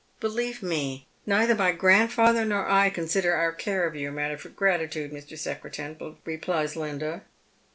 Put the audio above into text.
" Believe me, neither my grandfather nor I consider our care of you a matter for gratitude, Mr. Secretan," replies Linda.